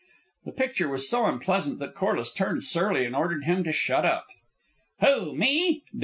The picture was so unpleasant that Corliss turned surly and ordered him to shut up. "Who? Me?"